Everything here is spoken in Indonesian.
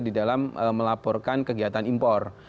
di dalam melaporkan kegiatan impor